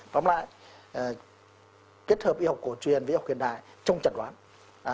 vòng lại kết hợp y học cổ truyền với y học hiện đại trong trận đoán